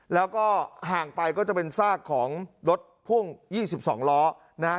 แล้วก็ห่างไปก็จะเป็นซากของรถพ่วง๒๒ล้อนะฮะ